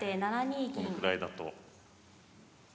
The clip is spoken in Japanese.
このぐらいだと。